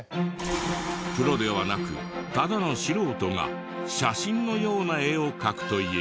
プロではなくただの素人が写真のような絵を描くという。